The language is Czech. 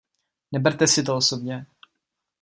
Neberte si to osobně.